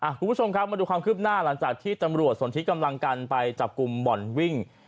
คุณผู้ชมครับมาดูความคืบหน้าหลังจากที่ตำรวจสนที่กำลังกันไปจับกลุ่มบ่อนวิ่ง